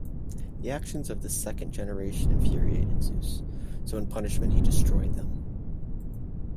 The actions of the second generation infuriated Zeus, so in punishment he destroyed them.